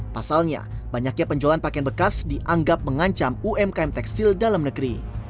pasalnya banyaknya penjualan pakaian bekas dianggap mengancam umkm tekstil dalam negeri